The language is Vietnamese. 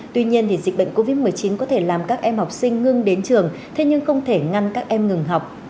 tuy nhiên dịch bệnh covid một mươi chín có thể làm các em học sinh ngưng đến trường thế nhưng không thể ngăn các em ngừng học